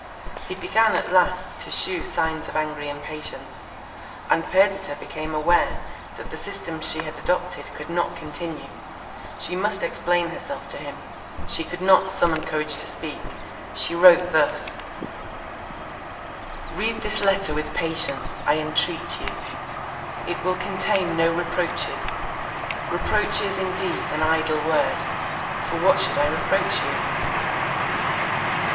He began at last to shew signs of angry impatience, and Perdita became aware that the system she had adopted could not continue; she must explain herself to him; she could not summon courage to speak—she wrote thus:— "Read this letter with patience, I entreat you. It will contain no reproaches. Reproach is indeed an idle word: for what should I reproach you?